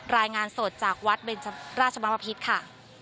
รายงานสดจากวัดราชบพิษค่ะ